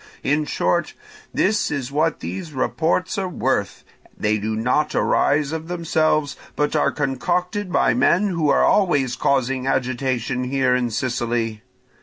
In short, this is what these reports are worth; they do not arise of themselves, but are concocted by men who are always causing agitation here in Sicily.